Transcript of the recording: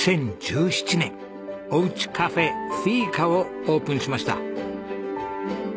２０１７年おうちカフェフィーカをオープンしました。